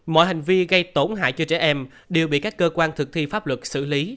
mọi hành vi gây tổn hại cho trẻ em đều bị các cơ quan thực thi pháp luật xử lý